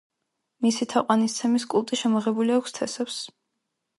მისი თაყვანისცემის კულტი შემოღებული აქვს თესევსს.